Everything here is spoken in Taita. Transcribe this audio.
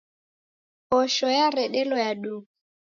Posho yaredelo ya duu.